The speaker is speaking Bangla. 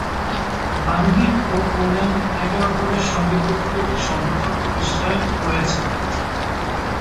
মালদ্বীপ ও পোল্যান্ড একে অপরের সঙ্গে কূটনৈতিক সম্পর্ক প্রতিষ্ঠা করেছে।